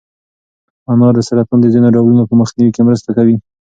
انار د سرطان د ځینو ډولونو په مخنیوي کې مرسته کوي.